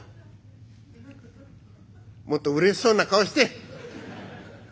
「もっとうれしそうな顔して」。